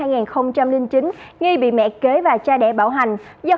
nghi bị mẹ kế và cha đẻ bảo hành do không đồng ý với cách giải quyết vụ việc